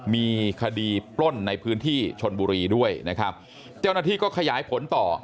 มีคดีปล้นในพื้นที่ชนบุรีด้วยนะครับเจ้าหน้าที่ก็ขยายผลต่อ